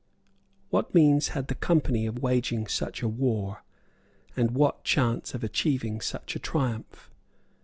What means had the Company of waging such a war, and what chance of achieving such a triumph?